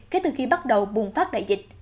kể từ khi bắt đầu bùng phát đại dịch